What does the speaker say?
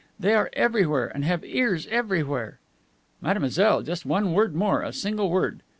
They are everywhere, and have ears everywhere." "Mademoiselle, just one word more, a single word.